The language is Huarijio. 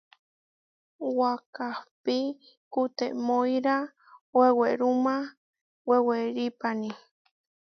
Wakahpí kutemóira wewéruma wewerípani.